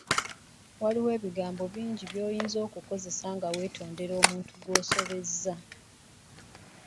Waliwo ebigambo bingi by'oyinza okukozesa nga weetondera omuntu gw'osobezza.